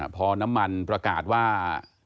พอน้ำมันประกาศว่า